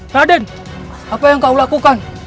raden apa yang kau lakukan